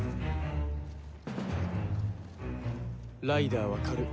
ライダーは狩る。